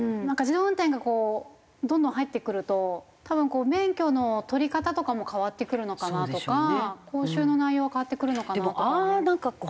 なんか自動運転がこうどんどん入ってくると多分免許の取り方とかも変わってくるのかなとか講習の内容変わってくるのかなとか。